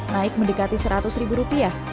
naik mendekati rp seratus